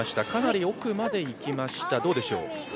かなり奥まで行きました、どうでしょう。